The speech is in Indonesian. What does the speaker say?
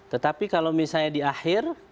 tetapi kalau misalnya di akhir